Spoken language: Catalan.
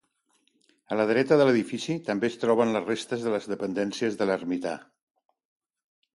A la dreta de l'edifici també es troben les restes de les dependències de l'ermità.